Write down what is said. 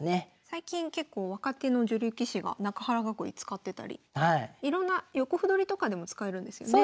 最近結構若手の女流棋士が中原囲い使ってたりいろんな横歩取りとかでも使えるんですよね。